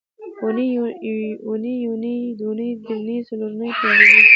اونۍ یونۍ دونۍ درېنۍ څلورنۍ پینځنۍ